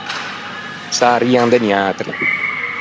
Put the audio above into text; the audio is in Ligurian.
Se â rian de niatri.